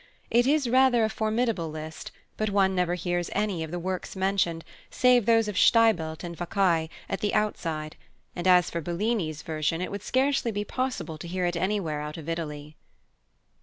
It is rather a formidable list, but one never hears any of the works mentioned, save those of Steibelt and Vaccaj, at the outside; and as for Bellini's version, it would scarcely be possible to hear it anywhere out of Italy.